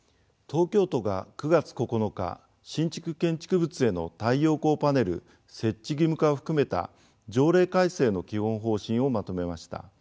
東京都が９月９日新築建築物への太陽光パネル設置義務化を含めた条例改正の基本方針をまとめました。